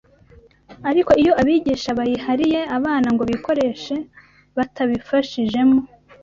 ariko iyo abigisha bayihariye abana ngo bikoreshe batabibafashijemo,